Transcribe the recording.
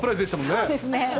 そうですね。